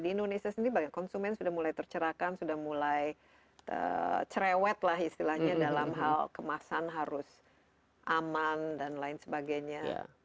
tapi bagaimana dari konsumen sendiri konsumen sudah mulai tercerahkan sudah mulai cerewetlah istilahnya dalam hal kemasan harus aman dan lain sebagainya